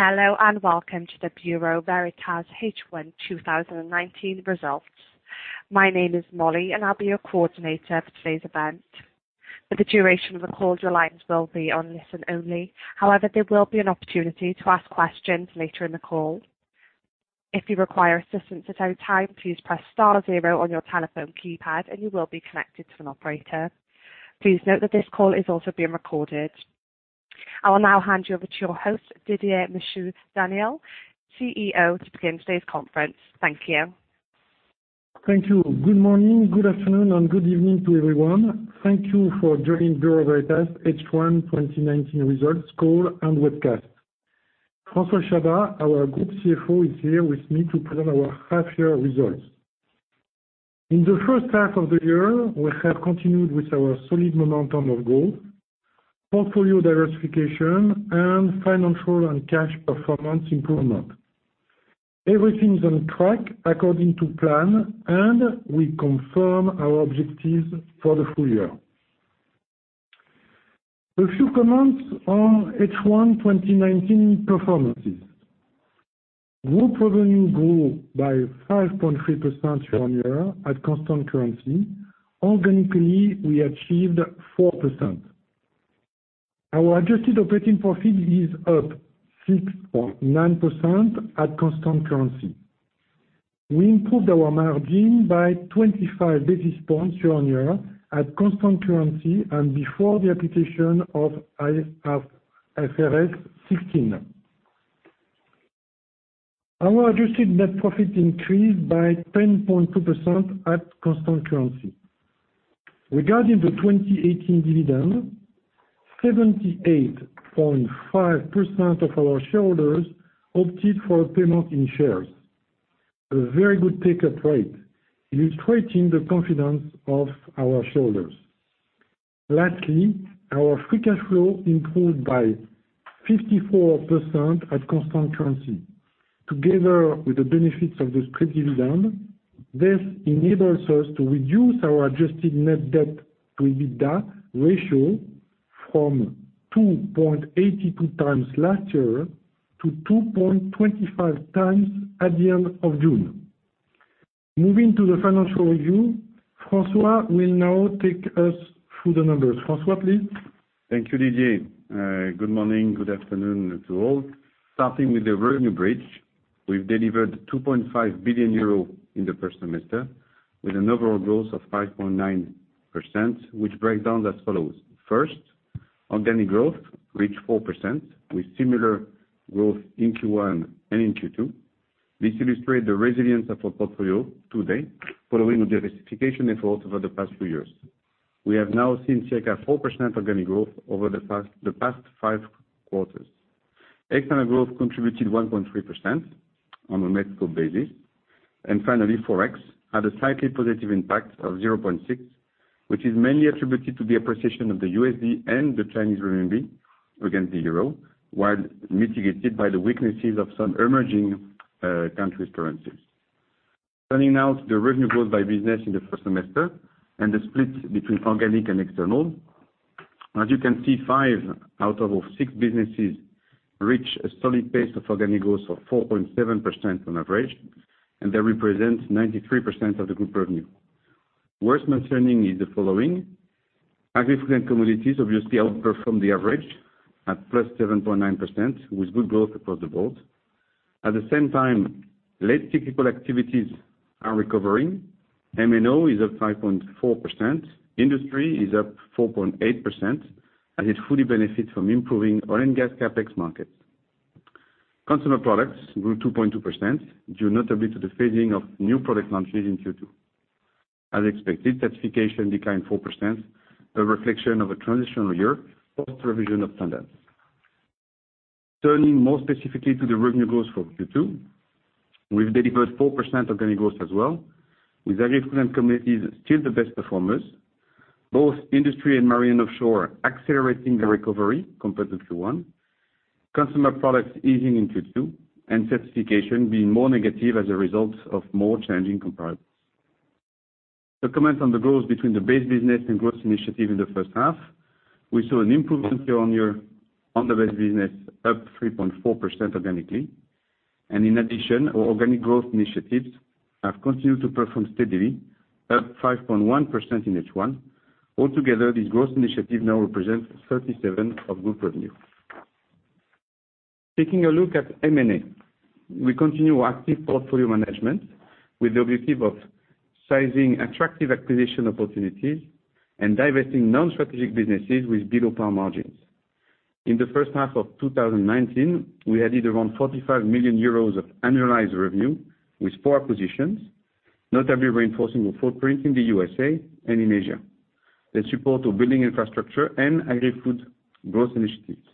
Hello, and welcome to the Bureau Veritas H1 2019 results. My name is Molly, and I'll be your coordinator for today's event. For the duration of the call, your lines will be on listen only. However, there will be an opportunity to ask questions later in the call. If you require assistance at any time, please press star zero on your telephone keypad and you will be connected to an operator. Please note that this call is also being recorded. I will now hand you over to your host, Didier Michaud-Daniel, CEO, to begin today's conference. Thank you. Thank you. Good morning, good afternoon, and good evening to everyone. Thank you for joining Bureau Veritas H1 2019 results call and webcast. François Chabas, our group CFO, is here with me to present our half year results. In the first half of the year, we have continued with our solid momentum of growth, portfolio diversification, and financial and cash performance improvement. Everything is on track according to plan, and we confirm our objectives for the full year. A few comments on H1 2019 performances. Group revenue grew by 5.3% year-on-year at constant currency. Organically, we achieved 4%. Our adjusted operating profit is up 6.9% at constant currency. We improved our margin by 25 basis points year-on-year at constant currency and before the application of IFRS 16. Our adjusted net profit increased by 10.2% at constant currency. Regarding the 2018 dividend, 78.5% of our shareholders opted for a payment in shares. A very good take-up rate, illustrating the confidence of our shareholders. Lastly, our free cash flow improved by 54% at constant currency. Together with the benefits of the scrip dividend, this enables us to reduce our adjusted net debt to EBITDA ratio from 2.82 times last year to 2.25 times at the end of June. Moving to the financial review, François will now take us through the numbers. François, please. Thank you, Didier. Good morning, good afternoon to all. Starting with the revenue bridge. We've delivered 2.5 billion euro in the first semester with an overall growth of 5.9%, which break down as follows. First, organic growth reached 4%, with similar growth in Q1 and in Q2. This illustrates the resilience of our portfolio today following the diversification efforts over the past few years. We have now seen circa 4% organic growth over the past five quarters. External growth contributed 1.3% on a method basis, and finally, ForEx had a slightly positive impact of 0.6%, which is mainly attributed to the appreciation of the USD and the Chinese Renminbi against the EUR, while mitigated by the weaknesses of some emerging countries' currencies. Turning now to the revenue growth by business in the first semester and the split between organic and external. As you can see, five out of six businesses reach a solid pace of organic growth of 4.7% on average, and that represents 93% of the group revenue. Worth mentioning is the following. Agri-Food & Commodities obviously outperformed the average at plus 7.9%, with good growth across the board. At the same time, late cyclical activities are recovering. M&O is up 5.4%, Industry is up 4.8%, as it fully benefits from improving oil and gas CapEx markets. Consumer Products grew 2.2%, due notably to the phasing of new product launches in Q2. As expected, Certification declined 4%, a reflection of a transitional year post revision of standards. Turning more specifically to the revenue growth for Q2, we've delivered 4% organic growth as well, with Agri-Food & Commodities still the best performers. Both Industry and Marine & Offshore accelerating their recovery compared to Q1, Consumer Products easing in Q2, and Certification being more negative as a result of more challenging comparables. To comment on the growth between the base business and growth initiative in the first half, we saw an improvement year-on-year on the base business, up 3.4% organically. In addition, our organic growth initiatives have continued to perform steadily, up 5.1% in H1. Altogether, this growth initiative now represents 37% of group revenue. Taking a look at M&A, we continue our active portfolio management with the objective of sizing attractive acquisition opportunities and divesting non-strategic businesses with below par margins. In the first half of 2019, we added around 45 million euros of annualized revenue with four acquisitions, notably reinforcing our footprint in the U.S.A. and in Asia that support our Building Infrastructure and Agri-Food growth initiatives.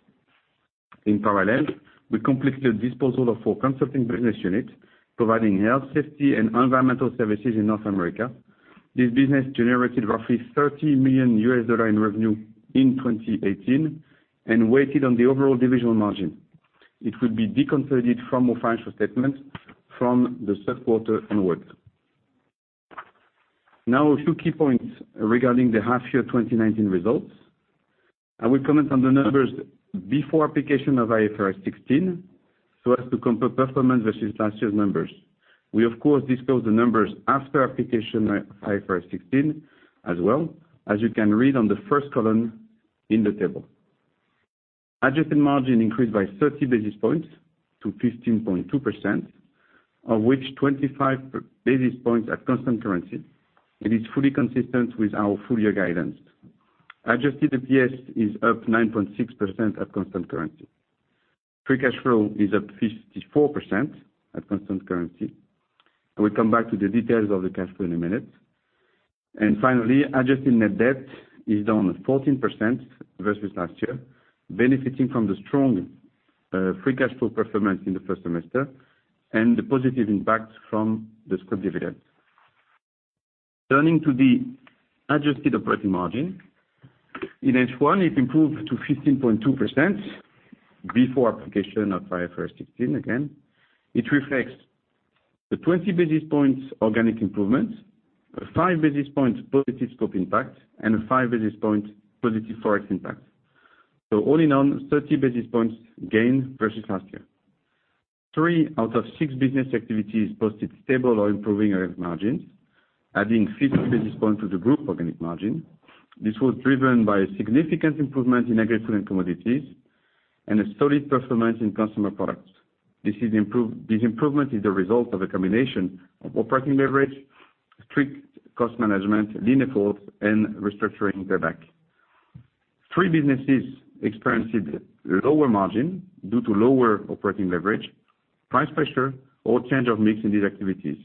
In parallel, we completed the disposal of our consulting business unit providing health, safety, and environmental services in North America. This business generated roughly $30 million in revenue in 2018 and weighted on the overall divisional margin. It will be deconsolid from our financial statement from the third quarter onwards. Now a few key points regarding the half year 2019 results. I will comment on the numbers before application of IFRS 16, so as to compare performance versus last year's numbers. We, of course, disclose the numbers after application of IFRS 16 as well, as you can read on the first column in the table. Adjusted margin increased by 30 basis points to 15.2%, of which 25 basis points at constant currency. It is fully consistent with our full year guidance. Adjusted EPS is up 9.6% at constant currency. Free cash flow is up 54% at constant currency. I will come back to the details of the cash flow in a minute. Finally, adjusted net debt is down 14% versus last year, benefiting from the strong free cash flow performance in the first semester and the positive impacts from the scrip dividend. Turning to the adjusted operating margin. In H1, it improved to 15.2% before application of IFRS 16 again. It reflects the 20 basis points organic improvement, five basis points positive scope impact, and five basis points positive ForEx impact. All in all, 30 basis points gain versus last year. Three out of six business activities posted stable or improving areas margins, adding 50 basis points to the group organic margin. This was driven by a significant improvement in Agri-Food & Commodities and a solid performance in Consumer Products. This improvement is the result of a combination of operating leverage, strict cost management, Lean efforts, and restructuring payback. Three businesses experienced lower margin due to lower operating leverage, price pressure, or change of mix in these activities.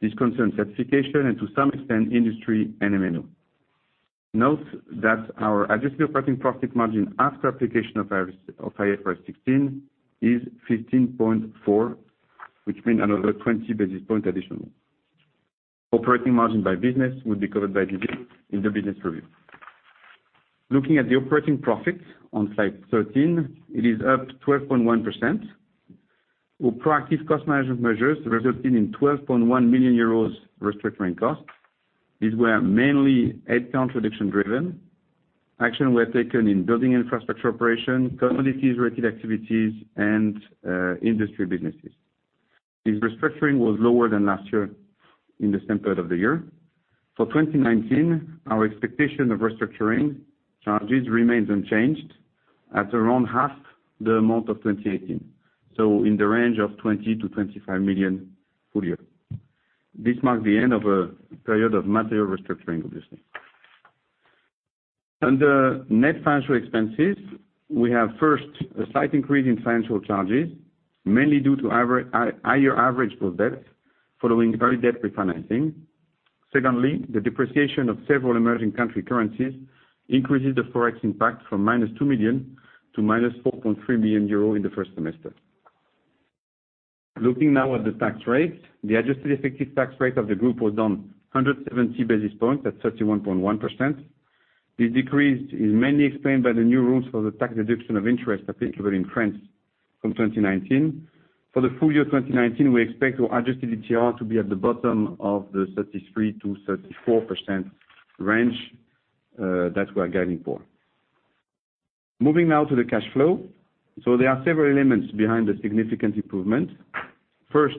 This concerns Certification and to some extent, Industry and M&O. Note that our adjusted operating profit margin after application of IFRS 16 is 15.4, which means another 20 basis point additional. Operating margin by business will be covered by Didier in the business review. Looking at the operating profit on slide 13, it is up 12.1% with proactive cost management measures resulting in 12.1 million euros restructuring costs. These were mainly headcount reduction driven. Action were taken in Buildings & Infrastructure operation, commodities-related activities, and Industry businesses. This restructuring was lower than last year in the same period of the year. For 2019, our expectation of restructuring charges remains unchanged at around half the amount of 2018, so in the range of 20 million-25 million full year. This marks the end of a period of material restructuring, obviously. Under net financial expenses, we have first, a slight increase in financial charges, mainly due to higher average book debt following early debt refinancing. The depreciation of several emerging country currencies increases the ForEx impact from minus 2 million to minus 4.3 million euro in the first semester. Looking now at the tax rates, the adjusted effective tax rate of the group was down 170 basis points at 31.1%. This decrease is mainly explained by the new rules for the tax deduction of interest applicable in France from 2019. For the full year 2019, we expect our adjusted ETR to be at the bottom of the 33%-34% range that we are guiding for. Moving now to the cash flow. There are several elements behind the significant improvement. First,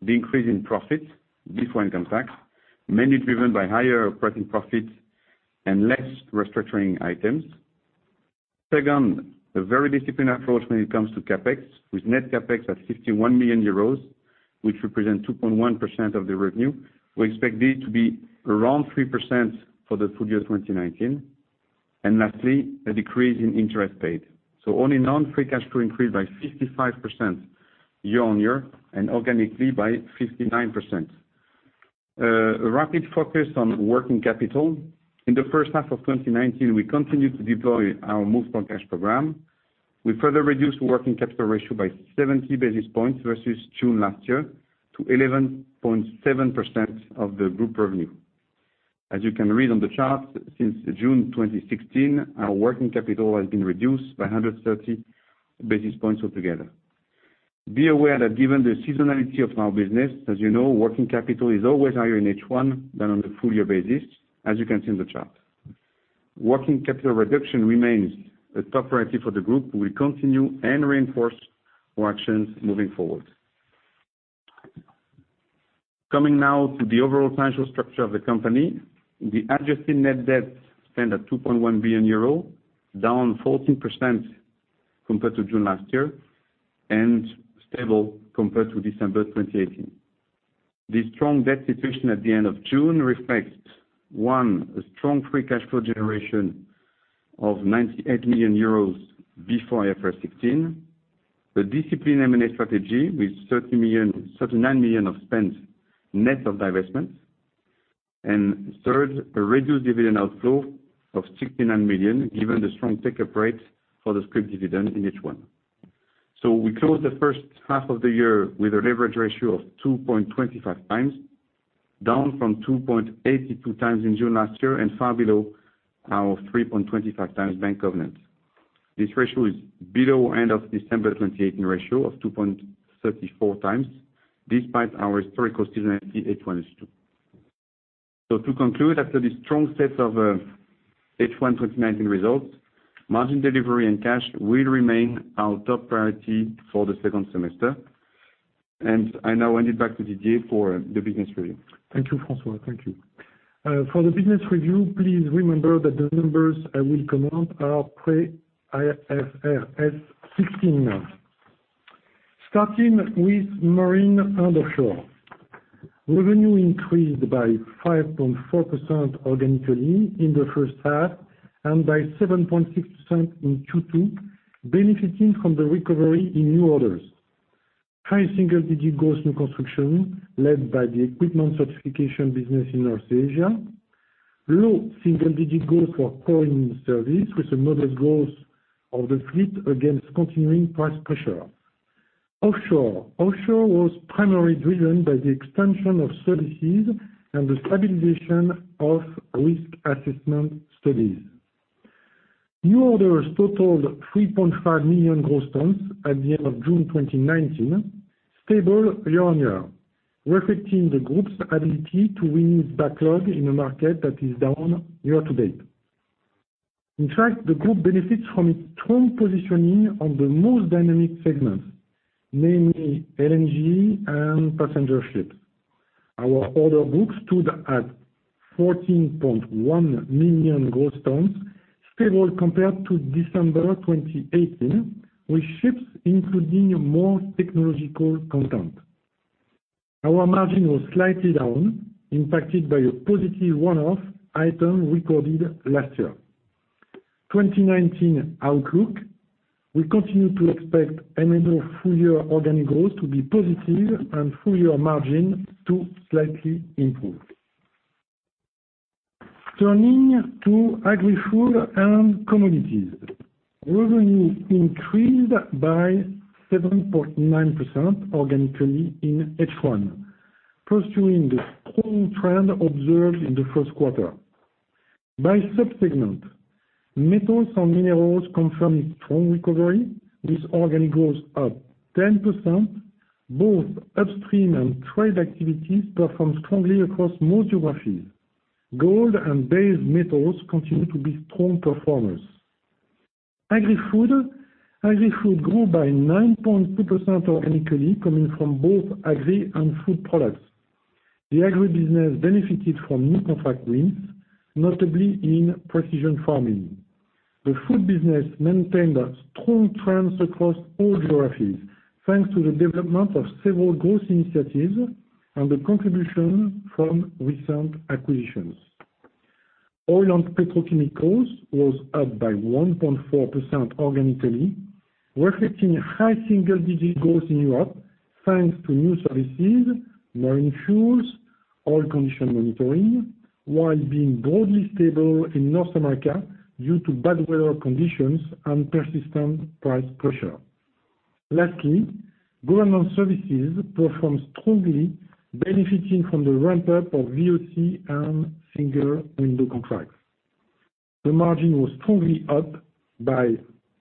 the increase in profit before income tax, mainly driven by higher operating profits and less restructuring items. Second, a very disciplined approach when it comes to CapEx, with net CapEx at 51 million euros, which represents 2.1% of the revenue. We expect this to be around 3% for the full year 2019. Lastly, a decrease in interest paid. Only non-free cash flow increased by 55% year-on-year, and organically by 59%. A rapid focus on working capital. In the first half of 2019, we continued to deploy our Move For Cash program. We further reduced working capital ratio by 70 basis points versus June last year, to 11.7% of the group revenue. As you can read on the chart, since June 2016, our working capital has been reduced by 130 basis points altogether. Be aware that given the seasonality of our business, as you know, working capital is always higher in H1 than on a full year basis, as you can see on the chart. Working capital reduction remains a top priority for the group. We will continue and reinforce our actions moving forward. Coming now to the overall financial structure of the company. The adjusted net debt stand at 2.1 billion euro, down 14% compared to June last year, and stable compared to December 2018. This strong debt position at the end of June reflects, one, a strong free cash flow generation of 98 million euros before IFRS 16. The disciplined M&A strategy with 39 million of spend net of divestment. Third, a reduced dividend outflow of 69 million, given the strong take-up rate for the scrip dividend in H1. We closed the first half of the year with a leverage ratio of 2.25 times, down from 2.82 times in June last year, and far below our 3.25 times bank covenant. This ratio is below end of December 2018 ratio of 2.34 times, despite our historical seasonality, H1 is two. To conclude, after the strong set of H1 2019 results, margin delivery and cash will remain our top priority for the second semester. I now hand it back to Didier for the business review. Thank you, François. Thank you. For the business review, please remember that the numbers I will comment are pre-IFRS 16. Starting with Marine & Offshore. Revenue increased by 5.4% organically in the first half, and by 7.6% in Q2, benefiting from the recovery in new orders. High single-digit growth in construction, led by the equipment Certification business in North Asia. Low single-digit growth for current service, with another growth of the fleet against continuing price pressure. Offshore. Offshore was primarily driven by the expansion of services and the stabilization of risk assessment studies. New orders totaled 3.5 million gross tons at the end of June 2019, stable year-on-year, reflecting the Group's ability to win its backlog in a market that is down year-to-date. The Group benefits from its strong positioning on the most dynamic segments, namely LNG and passenger ships. Our order book stood at 14.1 million gross tons, stable compared to December 2018, with ships including a more technological content. Our margin was slightly down, impacted by a positive one-off item recorded last year. 2019 outlook, we continue to expect annual full-year organic growth to be positive and full-year margin to slightly improve. Turning to Agri-Food & Commodities. Revenue increased by 7.4% organically in H1, pursuing the strong trend observed in the first quarter. By sub-segment, metals and minerals confirm a strong recovery, with organic growth up 10%. Both upstream and trade activities performed strongly across most geographies. Gold and base metals continue to be strong performers. Agri-Food. Agri-Food grew by 9.2% organically, coming from both Agri and food products. The Agri business benefited from new contract wins, notably in precision farming. The food business maintained strong trends across all geographies, thanks to the development of several growth initiatives and the contribution from recent acquisitions. Oil and petrochemicals was up by 1.4% organically, reflecting high single-digit growth in Europe, thanks to new services, marine fuels, oil condition monitoring, while being broadly stable in North America due to bad weather conditions and persistent price pressure. Lastly, government services performed strongly, benefiting from the ramp-up of VOC and single window contracts. The margin was strongly up by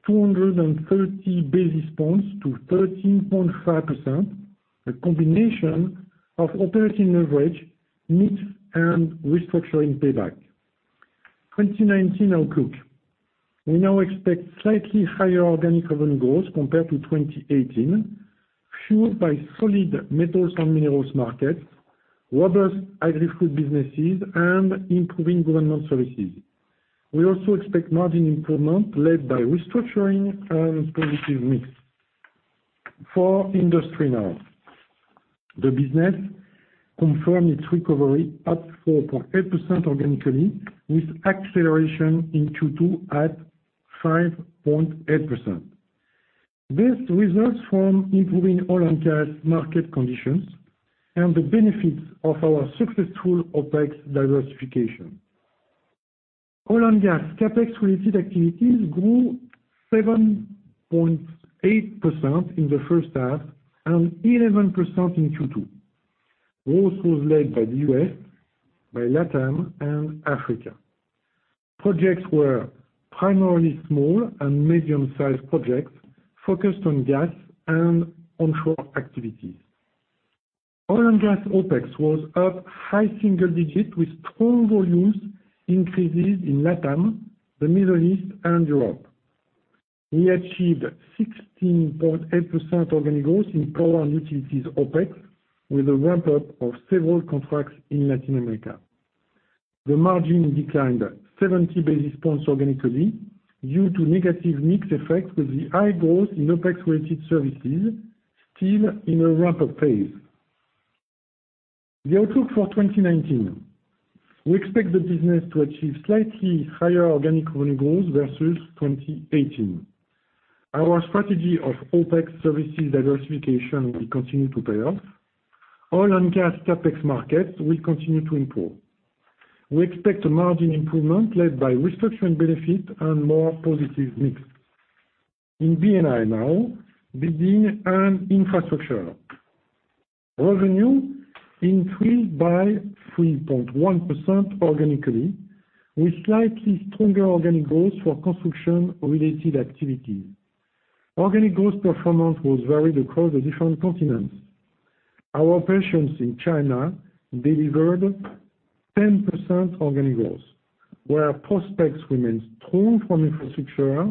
230 basis points to 13.5%, a combination of operating leverage, mix, and restructuring payback. 2019 outlook. We now expect slightly higher organic revenue growth compared to 2018, fueled by solid metals and minerals markets, robust agrifood businesses, and improving government services. We also expect margin improvement led by restructuring and positive mix. For Industry now. The business confirmed its recovery at 4.8% organically, with acceleration in Q2 at 5.8%. This results from improving oil and gas market conditions and the benefits of our successful OpEx diversification. Oil and gas CapEx-related activities grew 7.8% in the first half and 11% in Q2. Growth was led by the U.S., by LATAM, and Africa. Projects were primarily small and medium-sized projects focused on gas and onshore activities. Oil and gas OpEx was up high single digit with strong volumes increases in LATAM, the Middle East and Europe. We achieved 16.8% organic growth in power and utilities OpEx, with a ramp-up of several contracts in Latin America. The margin declined 70 basis points organically due to negative mix effects with the high growth in OpEx-related services still in a ramp-up phase. The outlook for 2019. We expect the business to achieve slightly higher organic revenue growth versus 2018. Our strategy of OpEx services diversification will continue to pay off. Oil and gas CapEx markets will continue to improve. We expect a margin improvement led by restructuring benefit and more positive mix. In B&I now, Buildings & Infrastructure. Revenue increased by 3.1% organically, with slightly stronger organic growth for construction-related activity. Organic growth performance was varied across the different continents. Our operations in China delivered 10% organic growth, where prospects remain strong from infrastructure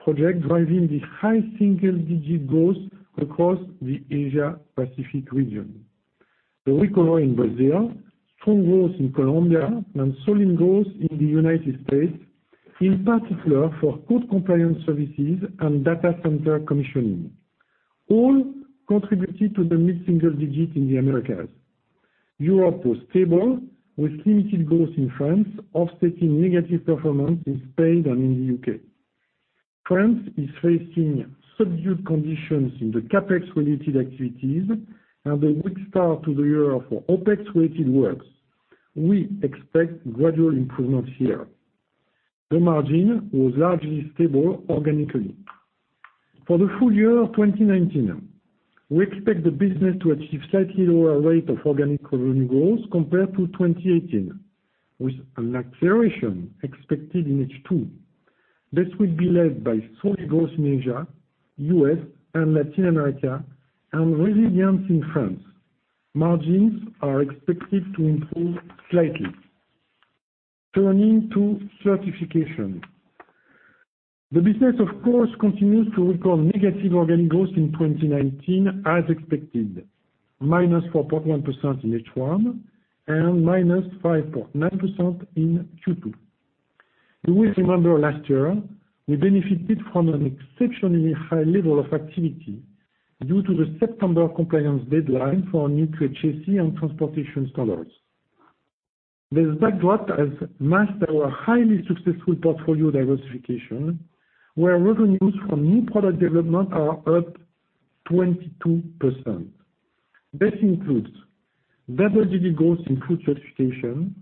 projects, driving the high single-digit growth across the Asia Pacific region. The recovery in Brazil, strong growth in Colombia, and solid growth in the U.S., in particular for code compliance services and data center commissioning, all contributed to the mid-single digit in the Americas. Europe was stable, with limited growth in France offsetting negative performance in Spain and in the U.K. France is facing subdued conditions in the CapEx-related activities and a weak start to the year for OpEx-weighted works. We expect gradual improvements here. The margin was largely stable organically. For the full year of 2019, we expect the business to achieve slightly lower rate of organic revenue growth compared to 2018, with an acceleration expected in H2. This will be led by solid growth in Asia, U.S., and Latin America, and resilience in France. Margins are expected to improve slightly. Turning to Certification. The business, of course, continues to record negative organic growth in 2019 as expected, -4.1% in H1 and -5.9% in Q2. You will remember last year, we benefited from an exceptionally high level of activity due to the September compliance deadline for new QHSE and transportation standards. This backdrop has masked our highly successful portfolio diversification, where revenues from new product development are up 22%. This includes double-digit growth in food certification,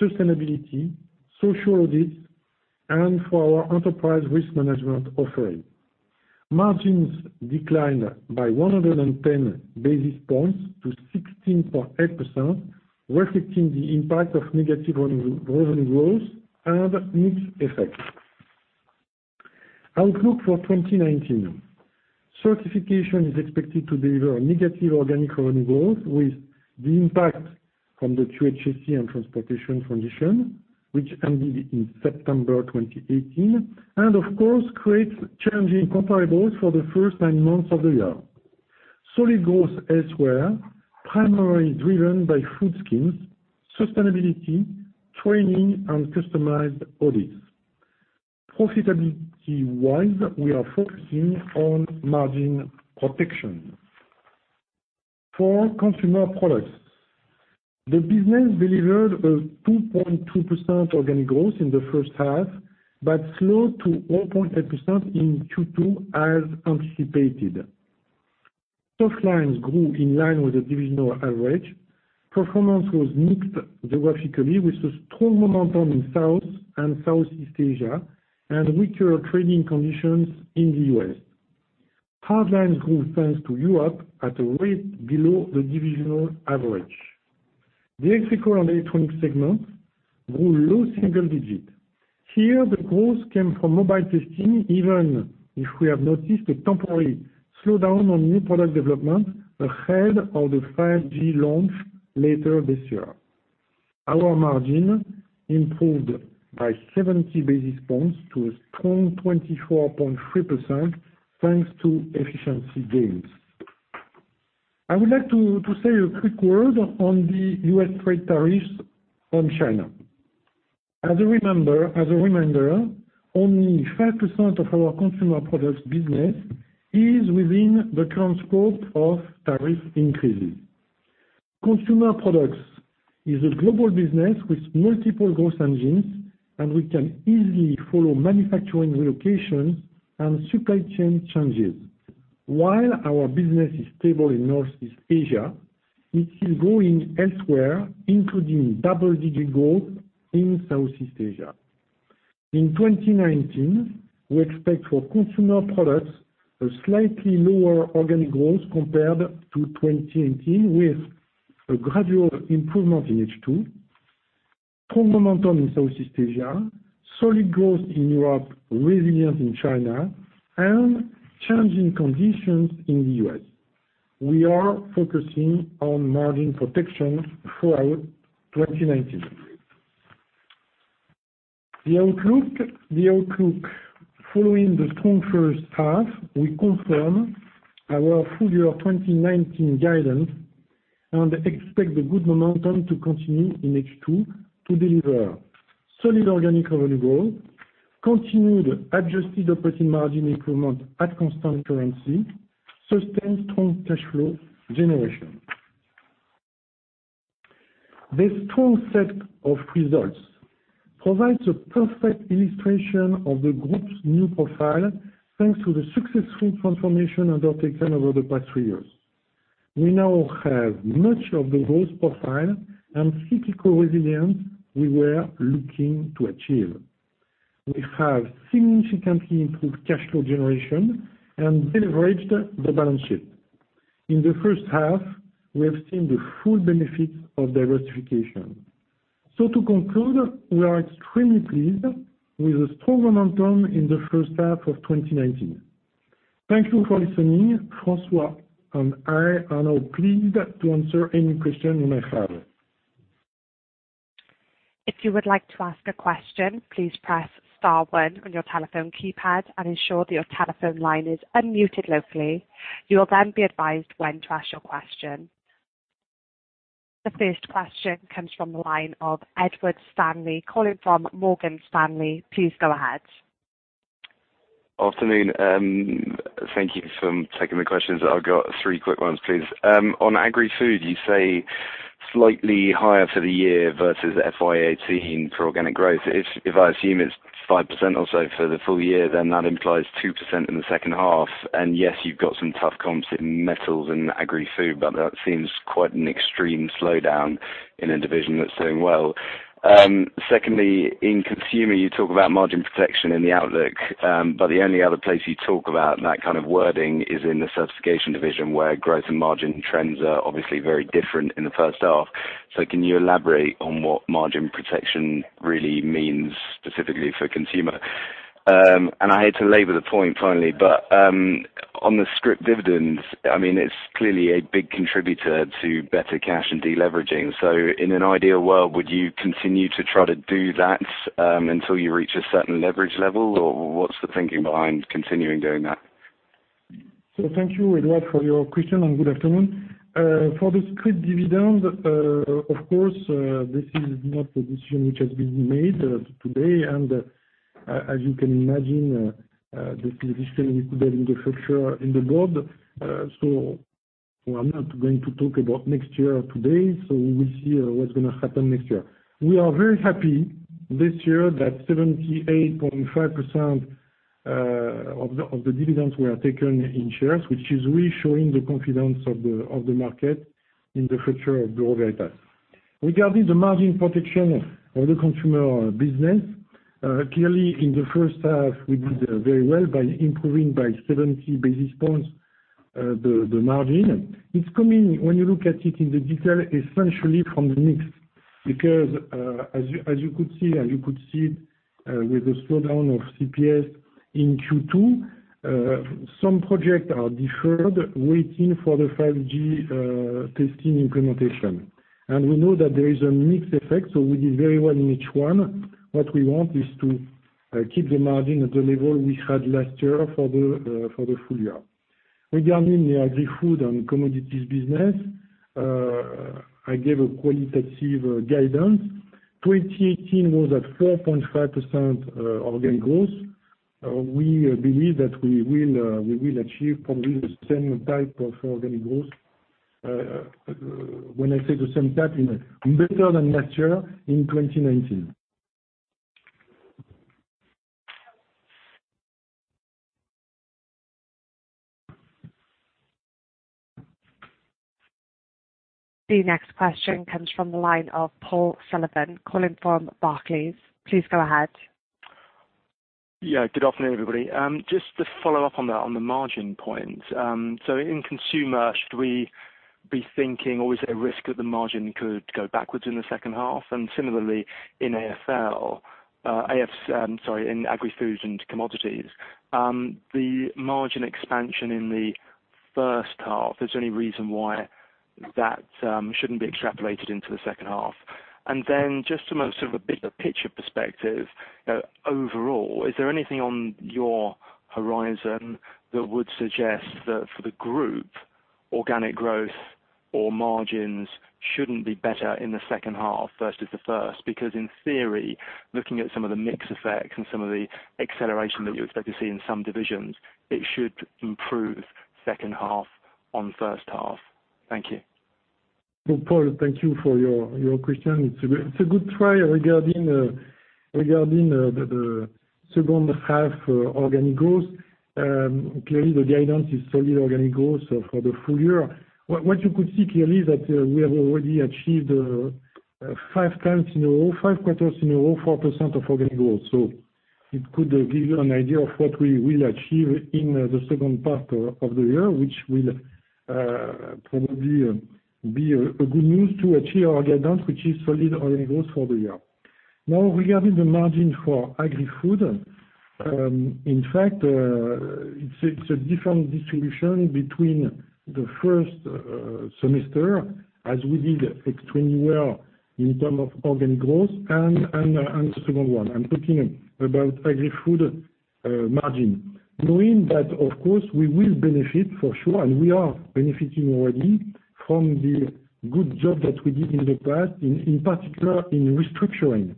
sustainability, social audits, and for our enterprise risk management offering. Margins declined by 110 basis points to 16.8%, reflecting the impact of negative revenue growth and mix effect. Outlook for 2019. Certification is expected to deliver a negative organic revenue growth with the impact from the QHSE and transportation transition, which ended in September 2018 and of course, creates challenging comparables for the first nine months of the year. Solid growth elsewhere, primarily driven by food schemes, sustainability, training, and customized audits. Profitability-wise, we are focusing on margin protection. For Consumer Products, the business delivered a 2.2% organic growth in the first half, but slowed to 0.8% in Q2 as anticipated. Soft lines grew in line with the divisional average. Performance was mixed geographically, with a strong momentum in South and Southeast Asia and weaker trading conditions in the U.S. Hard lines grew thanks to Europe at a rate below the divisional average. The electrical and electronic segment grew low single digit. Here, the growth came from mobile testing, even if we have noticed a temporary slowdown on new product development ahead of the 5G launch later this year. Our margin improved by 70 basis points to a strong 24.3%, thanks to efficiency gains. I would like to say a quick word on the U.S. trade tariffs on China. As a reminder, only 5% of our Consumer Products business is within the current scope of tariff increases. Consumer Products is a global business with multiple growth engines, and we can easily follow manufacturing relocation and supply chain changes. While our business is stable in Northeast Asia, it is growing elsewhere, including double-digit growth in Southeast Asia. In 2019, we expect for Consumer Products a slightly lower organic growth compared to 2018, with a gradual improvement in H2, strong momentum in Southeast Asia, solid growth in Europe, resilience in China, and changing conditions in the U.S. We are focusing on margin protection throughout 2019. The outlook. Following the strong first half, we confirm our full year 2019 guidance and expect the good momentum to continue in H2 to deliver solid organic revenue growth, continued adjusted operating margin improvement at constant currency, sustained strong cash flow generation. This strong set of results provides a perfect illustration of the group's new profile, thanks to the successful transformation undertaken over the past three years. We now have much of the growth profile and cyclical resilience we were looking to achieve. We have significantly improved cash flow generation and leveraged the balance sheet. In the first half, we have seen the full benefits of diversification. To conclude, we are extremely pleased with the strong momentum in the first half of 2019. Thank you for listening. François and I are now pleased to answer any questions you may have. If you would like to ask a question, please press star one on your telephone keypad and ensure that your telephone line is unmuted locally. You will be advised when to ask your question. The first question comes from the line of Edward Stanley calling from Morgan Stanley. Please go ahead. Afternoon. Thank you for taking the questions. I've got three quick ones, please. On Agri-Food, you say slightly higher for the year versus FY 2018 for organic growth. If I assume it's 5% or so for the full year, then that implies 2% in the second half, and yes, you've got some tough comps in metals and Agri-Food, but that seems quite an extreme slowdown in a division that's doing well. Secondly, in Consumer, you talk about margin protection in the outlook. The only other place you talk about that kind of wording is in the Certification division, where growth and margin trends are obviously very different in the first half. Can you elaborate on what margin protection really means specifically for Consumer? I hate to labor the point finally, but, on the scrip dividends, it's clearly a big contributor to better cash and deleveraging. In an ideal world, would you continue to try to do that until you reach a certain leverage level? Or what's the thinking behind continuing doing that? Thank you, Edward, for your question, and good afternoon. For the scrip dividend, of course, this is not a decision which has been made today. As you can imagine, this decision is there in the future in the board. I'm not going to talk about next year today, we will see what's going to happen next year. We are very happy this year that 78.5% of the dividends were taken in shares, which is really showing the confidence of the market in the future of Bureau Veritas. Regarding the margin protection of the Consumer Products, clearly in the first half, we did very well by improving by 70 basis points the margin. It's coming, when you look at it in the detail, essentially from the mix. As you could see with the slowdown of CPS in Q2, some project are deferred, waiting for the 5G testing implementation. We know that there is a mix effect, so we did very well in each one. What we want is to keep the margin at the level we had last year for the full year. Regarding the Agri-Food & Commodities business, I gave a qualitative guidance. 2018 was at 4.5% organic growth. We believe that we will achieve probably the same type of organic growth, when I say the same type, better than last year in 2019. The next question comes from the line of Paul Sullivan calling from Barclays. Please go ahead. Good afternoon, everybody. Just to follow up on that, on the margin point. In Consumer, should we be thinking, or is there a risk that the margin could go backwards in the second half? Similarly in AF&C, sorry, in Agri-Food & Commodities. The margin expansion in the first half, is there any reason why that shouldn't be extrapolated into the second half? Just to more sort of a bigger picture perspective, overall, is there anything on your horizon that would suggest that for the group, organic growth or margins shouldn't be better in the second half versus the first? In theory, looking at some of the mix effects and some of the acceleration that you expect to see in some divisions, it should improve second half on first half. Thank you. Paul, thank you for your question. It's a good try regarding the second half organic growth. Clearly, the guidance is solid organic growth for the full year. What you could see clearly is that we have already achieved five times in a row, five quarters in a row, 4% of organic growth. It could give you an idea of what we will achieve in the second part of the year, which will probably be a good news to achieve our guidance, which is solid organic growth for the year. Now, regarding the margin for Agri-Food. In fact, it's a different distribution between the first semester, as we did extremely well in terms of organic growth and the second one. I'm talking about Agri-Food margin. Knowing that, of course, we will benefit for sure, and we are benefiting already from the good job that we did in the past, in particular in restructuring.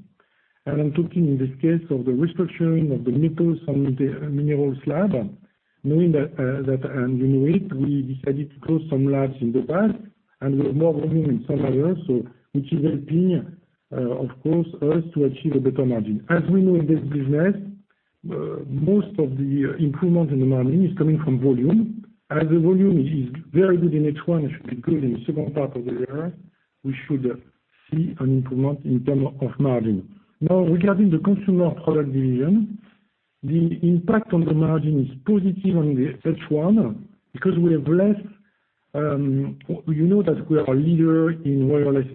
I'm talking in this case of the restructuring of the metals and the minerals lab, knowing that, you know it, we decided to close some labs in the past, and we have more volume in some areas, which is helping us, of course, to achieve a better margin. As we know in this business, most of the improvement in the margin is coming from volume. As the volume is very good in H1, it should be good in the second part of the year. We should see an improvement in terms of margin. Regarding the Consumer Products division, the impact on the margin is positive on the H1 because we have less, you know that we are a leader in wireless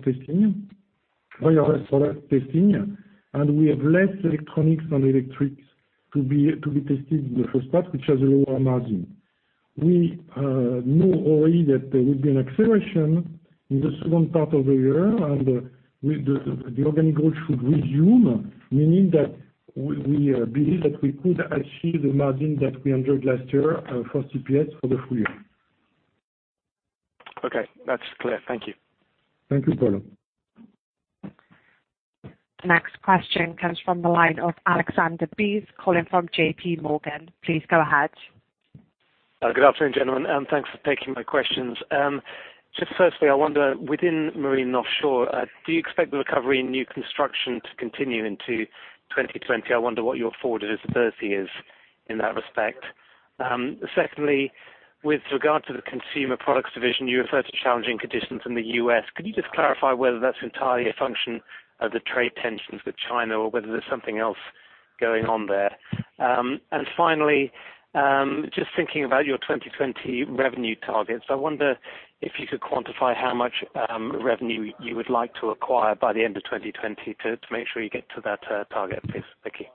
product testing, and we have less electronics and electrics to be tested in the first part, which has a lower margin. We know already that there will be an acceleration in the second part of the year, and the organic growth should resume, meaning that we believe that we could achieve the margin that we enjoyed last year for CPS for the full year. Okay. That's clear. Thank you. Thank you, Paul. The next question comes from the line of Alexander Bea, calling from JP Morgan. Please go ahead. Good afternoon, gentlemen, thanks for taking my questions. Firstly, I wonder, within Marine & Offshore, do you expect the recovery in new construction to continue into 2020? I wonder what your forward visibility is in that respect. Secondly, with regard to the Consumer Products, you referred to challenging conditions in the U.S. Could you clarify whether that's entirely a function of the trade tensions with China or whether there's something else going on there? Finally, thinking about your 2020 revenue targets, I wonder if you could quantify how much revenue you would like to acquire by the end of 2020 to make sure you get to that target, please. Thank you.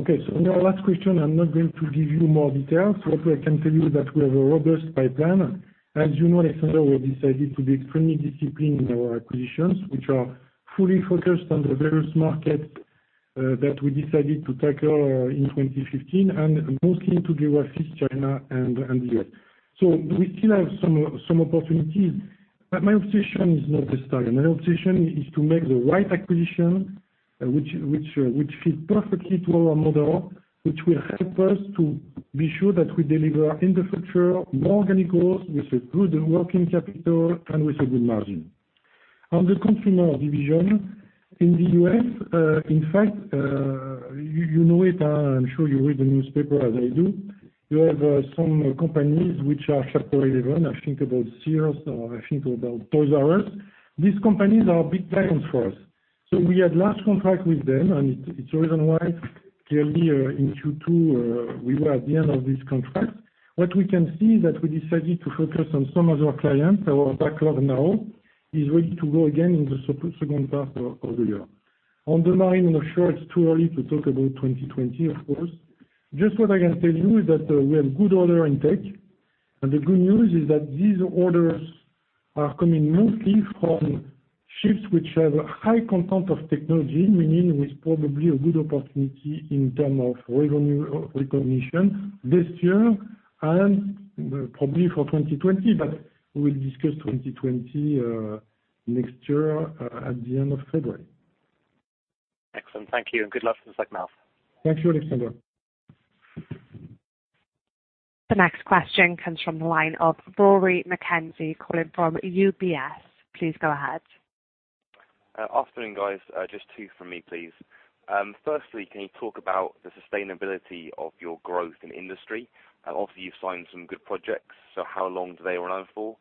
Okay. On your last question, I'm not going to give you more details. What I can tell you is that we have a robust pipeline. As you know, Alexander, we decided to be extremely disciplined in our acquisitions, which are fully focused on the various markets that we decided to tackle in 2015, and mostly into the U.S., China, and the U.K. We still have some opportunities, but my obsession is not the target. My obsession is to make the right acquisition, which fits perfectly to our model, which will help us to be sure that we deliver in the future more organic growth with a good working capital and with a good margin. On the Consumer Products division, in the U.S., in fact, you know it, I'm sure you read the newspaper as I do. You have some companies which are Chapter 11. I think about Sears, I think about Toys "R" Us. These companies are big clients for us. We had last contract with them, and it's the reason why clearly in Q2, we were at the end of this contract. What we can see is that we decided to focus on some other clients. Our backlog now is ready to go again in the second half of the year. On the Marine & Offshore, it's too early to talk about 2020, of course. Just what I can tell you is that we have good order intake. The good news is that these orders are coming mostly from ships which have a high content of technology, meaning with probably a good opportunity in term of revenue recognition this year and probably for 2020, but we'll discuss 2020 next year at the end of February. Excellent. Thank you, and good luck for the second half. Thank you, Alexander. The next question comes from the line of Rory McKenzie calling from UBS. Please go ahead. Afternoon, guys. Just two from me, please. Firstly, can you talk about the sustainability of your growth in Industry? Obviously, you've signed some good projects, how long do they run out for?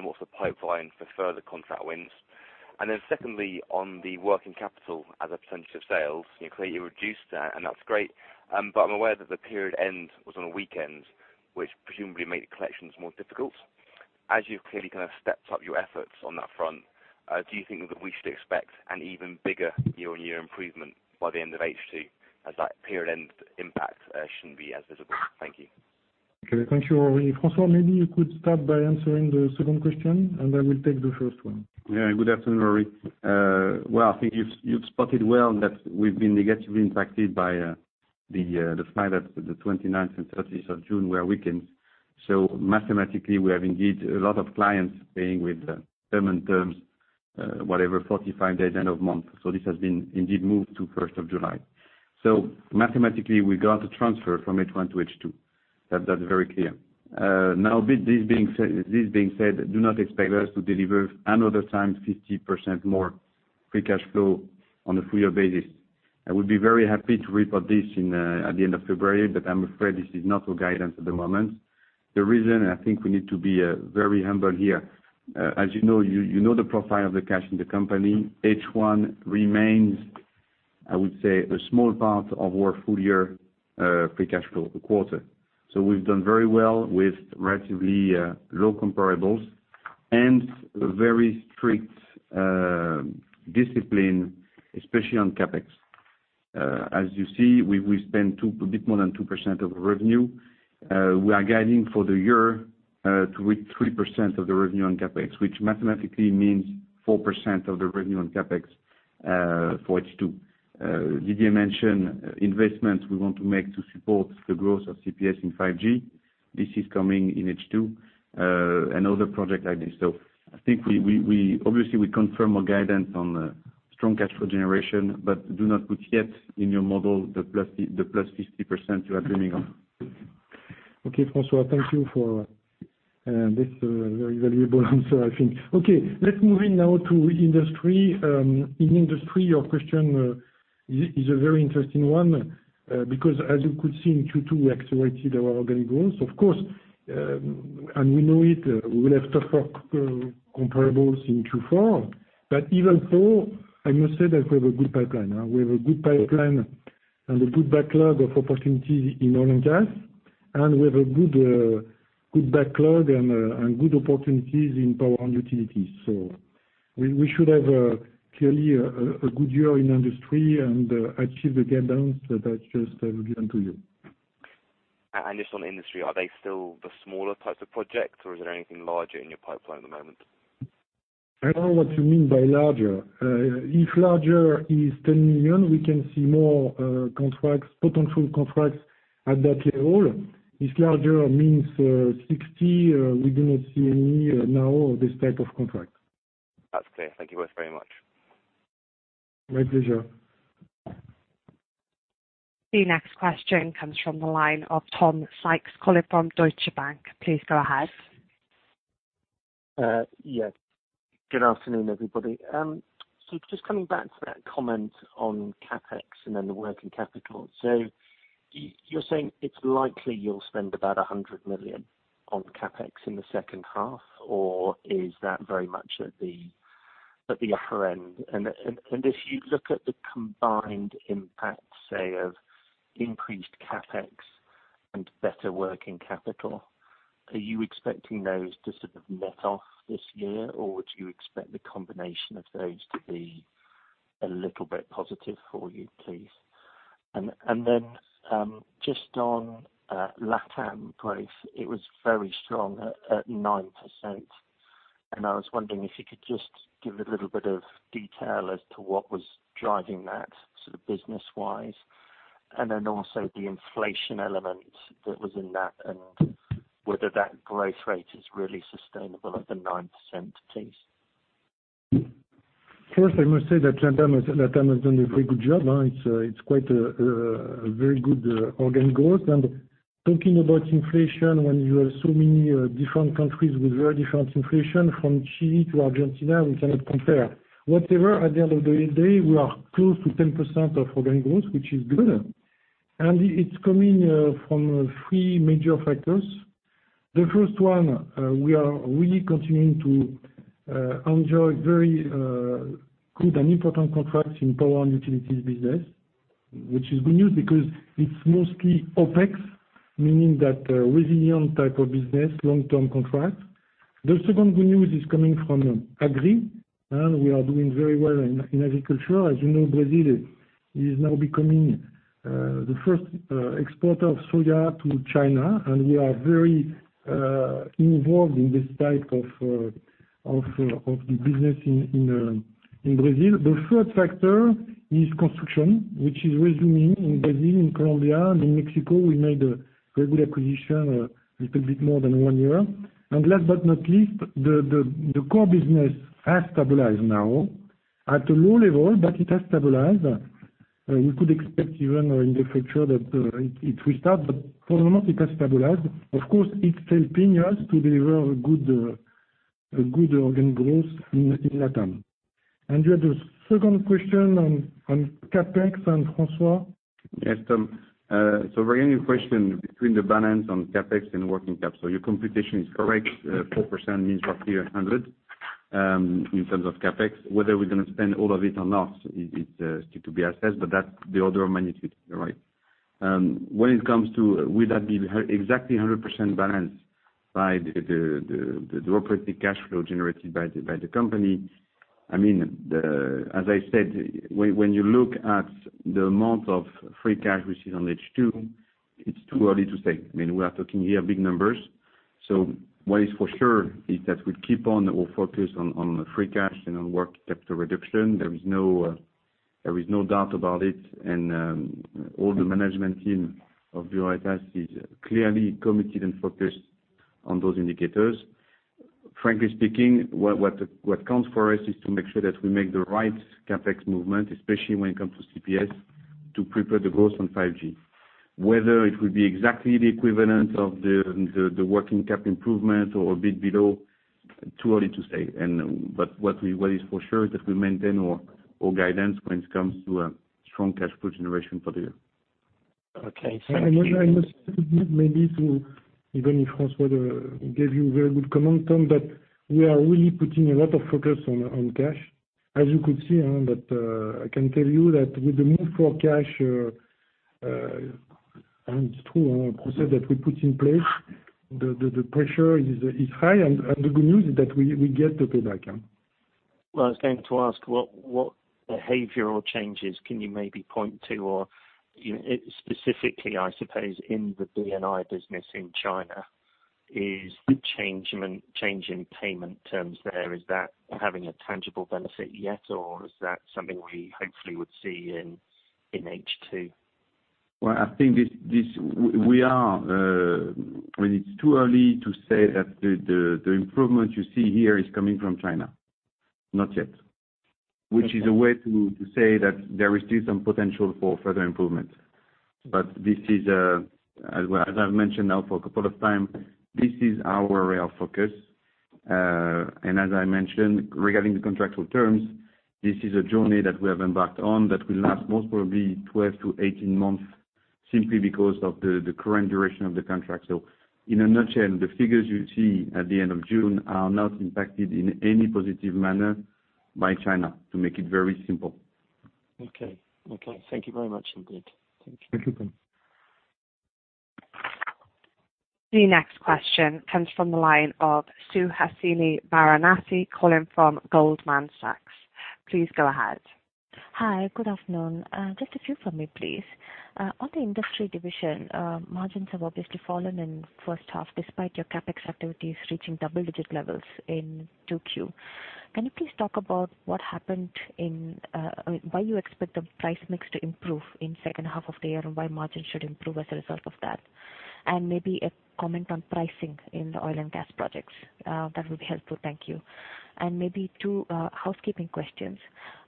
What's the pipeline for further contract wins? Secondly, on the working capital as a % of sales, clearly you reduced that's great. I'm aware that the period end was on a weekend, which presumably made collections more difficult. As you've clearly kind of stepped up your efforts on that front, do you think that we should expect an even bigger year-on-year improvement by the end of H2 as that period end impact shouldn't be as visible? Thank you. Okay. Thank you, Rory. François, maybe you could start by answering the second question, and I will take the first one. Good afternoon, Rory. Well, I think you've spotted well that we've been negatively impacted by the fact that the 29th and 30th of June were weekends. Mathematically, we have indeed a lot of clients paying with payment terms, whatever, 45 days end of month. This has been indeed moved to 1st of July. Mathematically, we got a transfer from H1 to H2. That's very clear. This being said, do not expect us to deliver another time 50% more free cash flow on a full year basis. I would be very happy to report this at the end of February, but I'm afraid this is not our guidance at the moment. The reason, I think we need to be very humble here. As you know, you know the profile of the cash in the company. H1 remains, I would say, a small part of our full year free cash flow quarter. We've done very well with relatively low comparables and very strict discipline, especially on CapEx. As you see, we spend a bit more than 2% of revenue. We are guiding for the year to read 3% of the revenue on CapEx, which mathematically means 4% of the revenue on CapEx for H2. Didier mentioned investments we want to make to support the growth of CPS in 5G. This is coming in H2, another project like this. I think, obviously, we confirm our guidance on strong cash flow generation, but do not put yet in your model the plus 50% you are dreaming of. Okay, François, thank you for this very valuable answer, I think. Okay. Let's move in now to Industry. In Industry, your question is a very interesting one because as you could see in Q2, we accelerated our organic growth. Of course, and we know it, we will have tougher comparables in Q4. Even so, I must say that we have a good pipeline. We have a good pipeline and a good backlog of opportunities in oil and gas, and we have a good backlog and good opportunities in power and utilities. We should have clearly a good year in Industry and achieve the guidance that I just have given to you. Just on Industry, are they still the smaller types of projects, or is there anything larger in your pipeline at the moment? I don't know what you mean by larger. If larger is 10 million, we can see more potential contracts at that level. If larger means 60, we do not see any now of this type of contract. That's clear. Thank you both very much. My pleasure. The next question comes from the line of Tom Sykes, calling from Deutsche Bank. Please go ahead. Yes. Good afternoon, everybody. Just coming back to that comment on CapEx and then the working capital. You're saying it's likely you'll spend about 100 million on CapEx in the second half, or is that very much at the upper end? If you look at the combined impact, say, of increased CapEx and better working capital, are you expecting those to sort of net off this year, or do you expect the combination of those to be a little bit positive for you, please? Just on LATAM growth, it was very strong at 9%, and I was wondering if you could just give a little bit of detail as to what was driving that sort of business-wise, and then also the inflation element that was in that and whether that growth rate is really sustainable at the 9%, please. First, I must say that LATAM has done a very good job. It's quite a very good organic growth. Talking about inflation, when you have so many different countries with very different inflation, from Chile to Argentina, we cannot compare. Whatever, at the end of the day, we are close to 10% of organic growth, which is good. It's coming from three major factors. The first one, we are really continuing to enjoy very good and important contracts in power and utilities business, which is good news because it's mostly OpEx, meaning that resilient type of business, long-term contracts. The second good news is coming from agri, and we are doing very well in agriculture. As you know, Brazil is now becoming the first exporter of soya to China, and we are very involved in this type of the business in Brazil. The third factor is construction, which is resuming in Brazil, in Colombia, and in Mexico, we made a regular acquisition a little bit more than one year. Last but not least, the core business has stabilized now, at a low level, but it has stabilized. We could expect even in the future that it will start, but for the moment it has stabilized. Of course, it's helping us to deliver a good organic growth in LATAM. You had a second question on CapEx, François? Yes, Tom. Regarding your question between the balance on CapEx and working capital, your computation is correct. 4% means roughly 100, in terms of CapEx. Whether we're going to spend all of it or not, it's still to be assessed, but that's the order of magnitude. You're right. When it comes to will that be exactly 100% balanced by the operating cash flow generated by the company? As I said, when you look at the amount of free cash received on H2, it's too early to say. We are talking here big numbers. What is for sure is that we keep on or focus on free cash and on working capital reduction. There is no doubt about it, and all the management team of Bureau Veritas is clearly committed and focused on those indicators. Frankly speaking, what counts for us is to make sure that we make the right CapEx movement, especially when it comes to CPS, to prepare the growth on 5G. Whether it will be exactly the equivalent of the working cap improvement or a bit below, too early to say. What is for sure is that we maintain our guidance when it comes to a strong cash flow generation for the year. Okay. Thank you. I must add maybe to, even if François gave you a very good comment, Tom, but we are really putting a lot of focus on cash. As you could see, that I can tell you that with the Move For Cash, and it's true, a process that we put in place, the pressure is high, and the good news is that we get the payback. Well, I was going to ask, what behavioral changes can you maybe point to or, specifically I suppose in the B&I business in China, is change in payment terms there, is that having a tangible benefit yet, or is that something we hopefully would see in H2? Well, it's too early to say that the improvement you see here is coming from China. Not yet. Which is a way to say that there is still some potential for further improvement. As I've mentioned now for a couple of times, this is our real focus. As I mentioned, regarding the contractual terms, this is a journey that we have embarked on that will last most probably 12-18 months. Simply because of the current duration of the contract. In a nutshell, the figures you see at the end of June are not impacted in any positive manner by China, to make it very simple. Okay. Thank you very much, indeed. Thank you. The next question comes from the line of Suhasini Varanasi, calling from Goldman Sachs. Please go ahead. Hi, good afternoon. Just a few from me, please. On the Industry, margins have obviously fallen in the first half despite your CapEx activities reaching double-digit levels in 2Q. Can you please talk about why you expect the price mix to improve in the second half of the year, and why margins should improve as a result of that? Maybe a comment on pricing in the oil and gas projects. That would be helpful. Thank you. Maybe two housekeeping questions.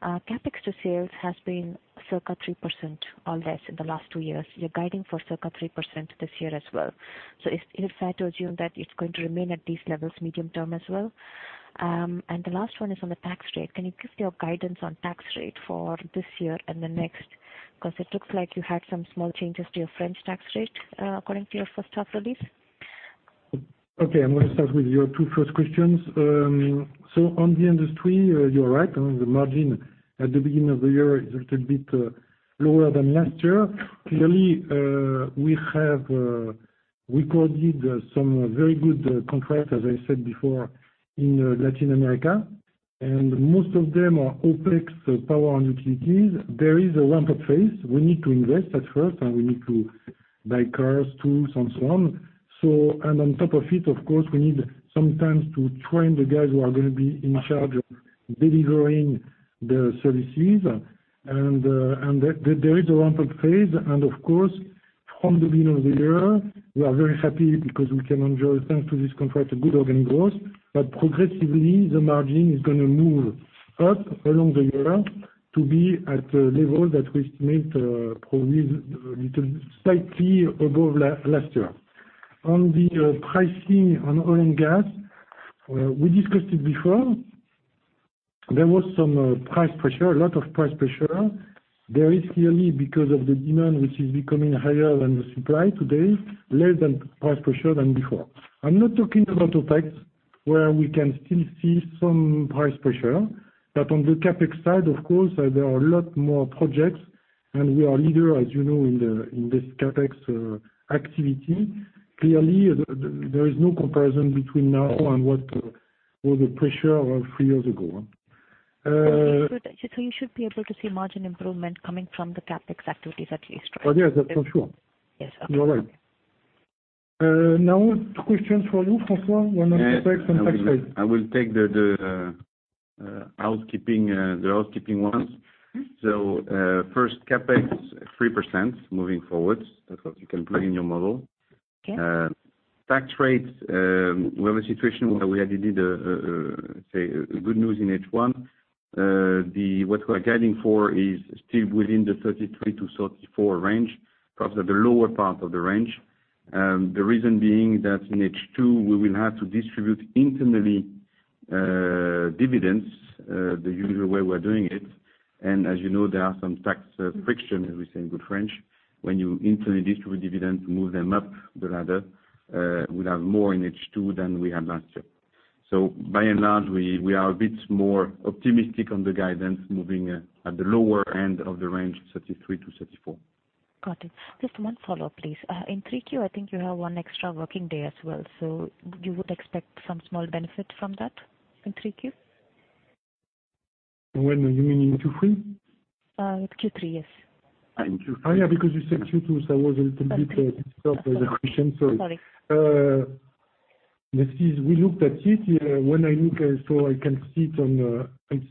CapEx to sales has been circa 3% or less in the last two years. You're guiding for circa 3% this year as well. Is it fair to assume that it's going to remain at these levels medium-term as well? The last one is on the tax rate. Can you give your guidance on tax rate for this year and the next? It looks like you had some small changes to your French tax rate, according to your first half release. Okay. I'm going to start with your two first questions. On the Industry, you're right. On the margin at the beginning of the year is a little bit lower than last year. Clearly, we have recorded some very good contracts, as I said before, in Latin America, and most of them are OpEx power and utilities. There is a ramp-up phase. We need to invest at first, and we need to buy cars, tools, and so on. On top of it, of course, we need some time to train the guys who are going to be in charge of delivering the services. There is a ramp-up phase, and of course, from the beginning of the year, we are very happy because we can enjoy, thanks to this contract, a good organic growth. Progressively, the margin is going to move up along the year to be at the level that we estimate, probably slightly above last year. On the pricing on oil and gas, we discussed it before. There was some price pressure, a lot of price pressure. There is clearly, because of the demand, which is becoming higher than the supply today, less price pressure than before. I'm not talking about OpEx where we can still see some price pressure. On the CapEx side, of course, there are a lot more projects, and we are a leader, as you know, in this CapEx activity. Clearly, there is no comparison between now and what was the pressure around three years ago. You should be able to see margin improvement coming from the CapEx activities at least, right? Oh, yes. For sure. Yes, okay. You're right. Now, two questions for you, François, one on CapEx and tax rate. I will take the housekeeping ones. Okay. First, CapEx, 3% moving forward. That's what you can put in your model. Okay. Tax rates, we have a situation where we already did, let's say, good news in H1. What we are guiding for is still within the 33%-34% range, perhaps at the lower part of the range. The reason being that in H2, we will have to distribute internally dividends, the usual way we're doing it. As you know, there are some tax friction, as we say in good French, when you internally distribute dividends, move them up the ladder. We'll have more in H2 than we have last year. By and large, we are a bit more optimistic on the guidance moving at the lower end of the range, 33%-34%. Got it. Just one follow-up, please. In Q3, I think you have one extra working day as well. You would expect some small benefit from that in Q3? When are you meaning? In Q3? Q3, yes. In Q3. Oh, yeah, because you said Q2, so I was a little bit- Sorry disturbed by the question. Sorry. Sorry. We looked at it. When I look, so I can see it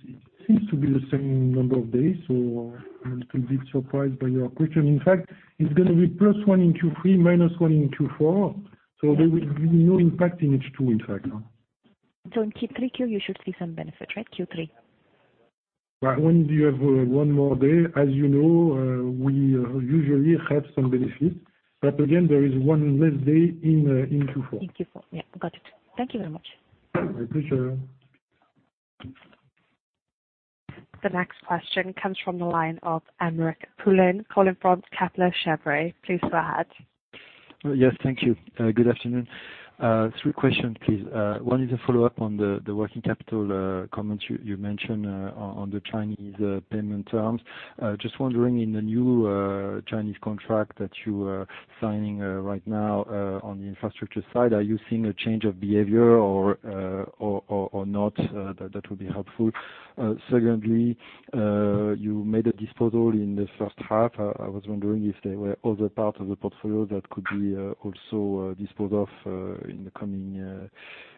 seems to be the same number of days, so I'm a little bit surprised by your question. In fact, it's going to be plus one in Q3, minus one in Q4. There will be no impact in H2, in fact. In Q3, you should see some benefit, right? Q3. When you have one more day, as you know, we usually have some benefit. Again, there is one less day in Q4. In Q4. Yeah, got it. Thank you very much. My pleasure. The next question comes from the line of Aymeric Poulain, calling from Kepler Cheuvreux. Please go ahead. Yes. Thank you. Good afternoon. Three questions, please. One is a follow-up on the working capital comments you mentioned on the Chinese payment terms. Just wondering, in the new Chinese contract that you are signing right now on the infrastructure side, are you seeing a change of behavior or not? That would be helpful. Secondly, you made a disposal in the first half. I was wondering if there were other parts of the portfolio that could be also disposed of in the coming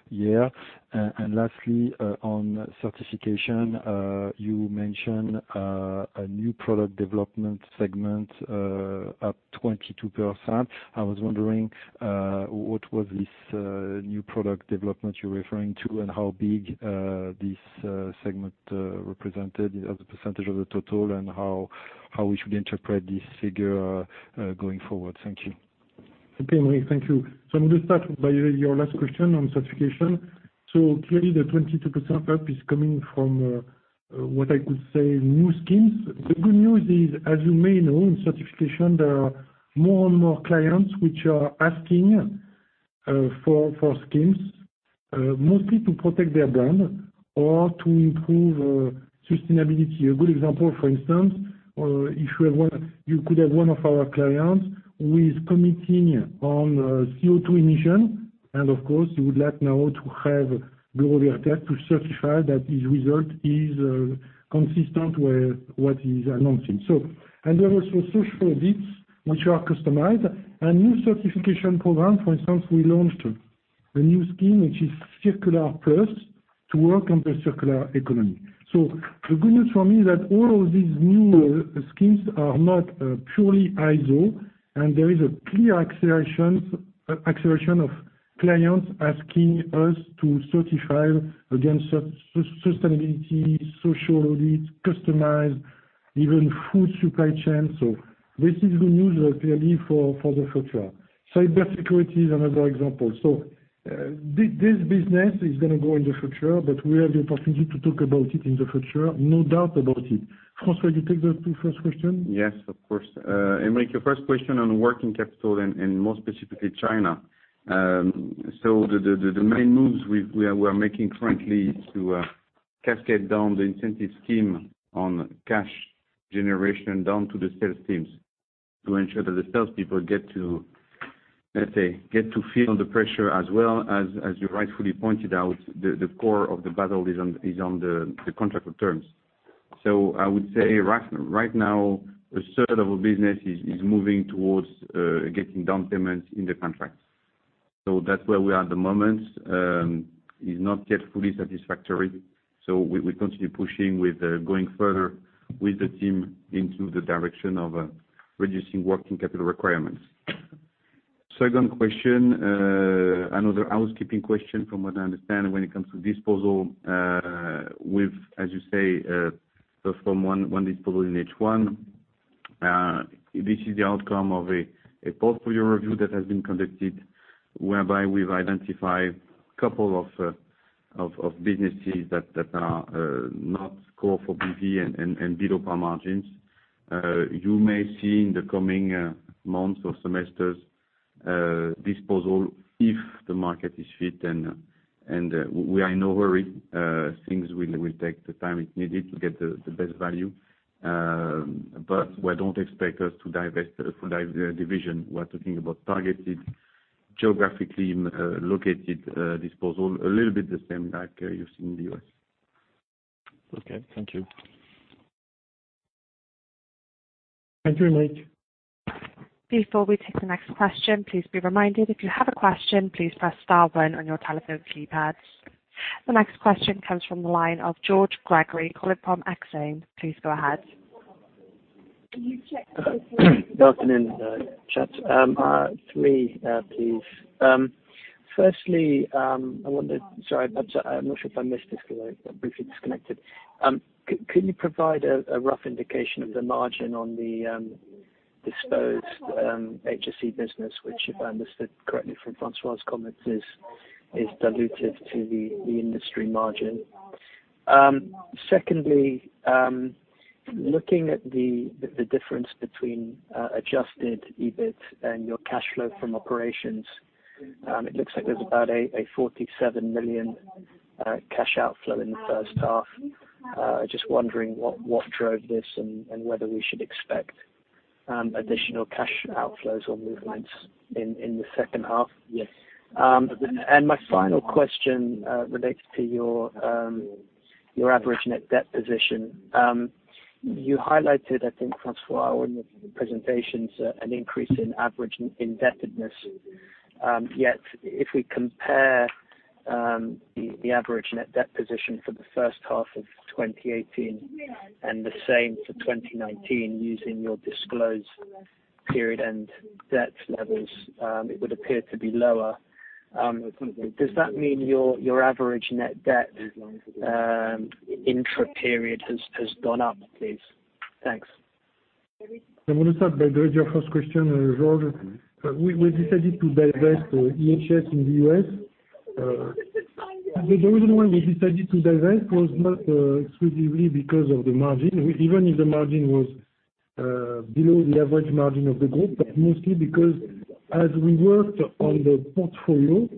year. And lastly, on Certification, you mentioned a new product development segment up 22%. I was wondering what was this new product development you're referring to and how big this segment represented as a percentage of the total, and how we should interpret this figure going forward. Thank you. Okay, Aymeric, thank you. I'm going to start by your last question on certification. Clearly the 22% up is coming from what I could say, new schemes. The good news is, as you may know, in Certification, there are more and more clients which are asking for schemes, mostly to protect their brand or to improve sustainability. A good example, for instance, you could have one of our clients who is committing on CO2 emission, and of course, you would like now to have Bureau Veritas to certify that his result is consistent with what he's announcing. There are also social audits which are customized and new certification programs. For instance, we launched a new scheme, which is Circular+ to work on the circular economy. The good news for me is that all of these new schemes are not purely idle and there is a clear acceleration of clients asking us to certify against sustainability, social audits, customized, even food supply chain. This is good news clearly for the future. Cyber security is another example. This business is going to grow in the future, but we have the opportunity to talk about it in the future. No doubt about it. François, you take the two first question? Yes, of course. Aymeric, your first question on working capital and more specifically China. The main moves we're making currently to cascade down the incentive scheme on cash generation down to the sales teams to ensure that the salespeople get to feel the pressure as well as you rightfully pointed out, the core of the battle is on the contractual terms. I would say right now a third of our business is moving towards getting down payments in the contracts. That's where we are at the moment. It's not yet fully satisfactory, so we continue pushing with going further with the team into the direction of reducing working capital requirements. Second question, another housekeeping question. From what I understand, when it comes to disposal, as you say, perform one disposal in H1, this is the outcome of a portfolio review that has been conducted, whereby we've identified a couple of businesses that are not core for BV and eat up our margins. You may see in the coming months or semesters, disposal if the market is fit, and we are in no hurry. Things will take the time it needed to get the best value. Don't expect us to divest a division. We're talking about targeted, geographically located disposal, a little bit the same like you've seen in the U.S. Okay. Thank you. Thank you, Aymeric. Before we take the next question, please be reminded, if you have a question, please press star one on your telephone keypad. The next question comes from the line of George Gregory, calling from Exane. Please go ahead. Good afternoon, gents. Three, please. I wonder Sorry, perhaps I'm not sure if I missed this because I briefly disconnected. Could you provide a rough indication of the margin on the disposed HSE business, which, if I understood correctly from François's comments, is diluted to the Industry margin? Looking at the difference between adjusted EBIT and your cash flow from operations, it looks like there's about a 47 million cash outflow in the first half. Just wondering what drove this and whether we should expect additional cash outflows or movements in the second half. Yes. My final question relates to your average net debt position. You highlighted, I think, François, in one of your presentations, an increase in average indebtedness. If we compare the average net debt position for the first half of 2018 and the same for 2019, using your disclosed period and debt levels, it would appear to be lower. Does that mean your average net debt intra-period has gone up, please? Thanks. I'm going to start by your first question, George. We decided to divest EHS in the U.S. Mostly because as we worked on the portfolio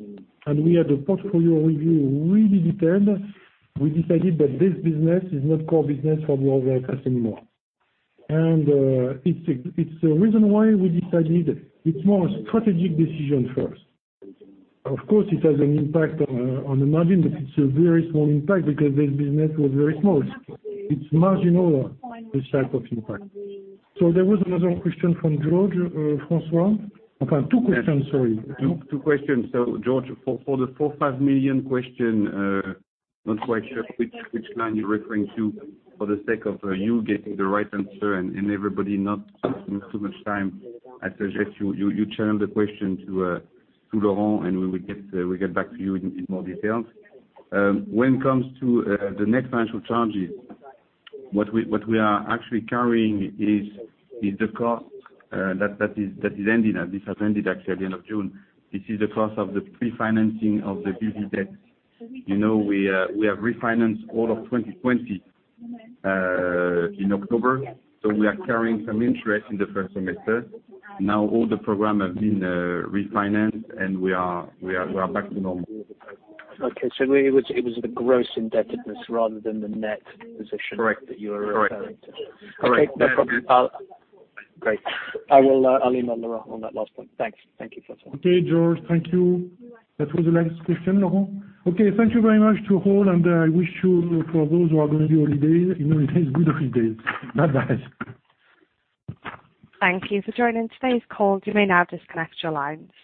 and we had a portfolio review really detailed, we decided that this business is not core business for Bureau Veritas anymore. It's the reason why we decided it's more a strategic decision first. Of course, it has an impact on the margin, but it's a very small impact because this business was very small. It's marginal, this type of impact. There was another question from George, François. Two questions, sorry. Two questions. George, for the 4.5 million question, not quite sure which line you're referring to. For the sake of you getting the right answer and everybody not taking too much time, I suggest you channel the question to Laurent, and we will get back to you in more details. When it comes to the net financial charges, what we are actually carrying is the cost that is ending, and this has ended actually at the end of June. This is the cost of the pre-financing of the BV debt. You know we have refinanced all of 2020, in October, so we are carrying some interest in the first semester. All the program has been refinanced, and we are back to normal. Okay. It was the gross indebtedness rather than the net position- Correct that you were referring to. Correct. Yeah. Okay. No problem. Great. I'll email Laurent on that last one. Thanks. Thank you, François. Okay, George. Thank you. That was the last question, Laurent? Okay. Thank you very much to all, and I wish you, for those who are going to be on holiday, you know it is good holidays. Bye-bye. Thank you for joining today's call. You may now disconnect your line.